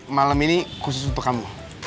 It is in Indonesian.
malam ini khusus untuk kamu